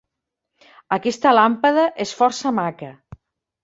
Aquesta làmpada és força maca.